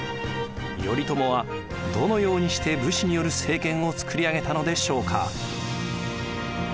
頼朝はどのようにして武士による政権をつくり上げたのでしょうか。